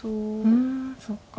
うんそっか。